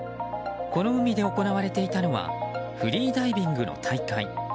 この海で行われていたのはフリーダイビングの大会。